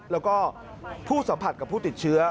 แล้วก็ผู้สัมผัสกับผู้ติดเชื้อ